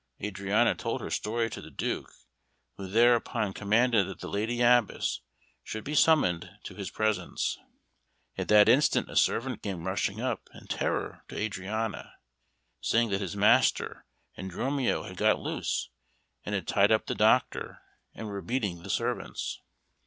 Adriana told her story to the Duke, who thereupon commanded that the Lady Abbess should be summoned to his presence. At that instant a servant came rushing up in terror to Adriana saying that his master and Dromio had got loose, and had tied up the doctor, and were beating the servants.